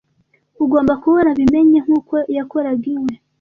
Ugomba kuba warabimenye nkuko yakoraga iwe